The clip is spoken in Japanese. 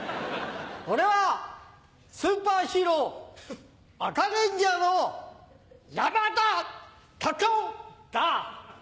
俺はスーパーヒーローアカレンジャーの山田隆夫だ！